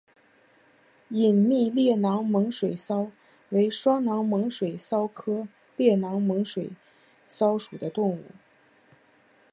隐密裂囊猛水蚤为双囊猛水蚤科裂囊猛水蚤属的动物。